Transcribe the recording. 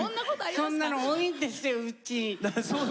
そんなの多いんですようち。